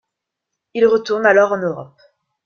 Il retourne alors en Europe.